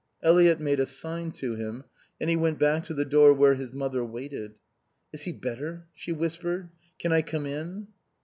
Eliot made a sign to him and he went back to the door where his mother waited. "Is he better?" she whispered. "Can I come in?"